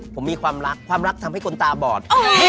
ผมมีความรักความรักทำให้คนตาบอด